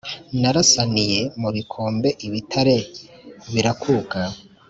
Narasaniye mu bikombe ibitare birakuka,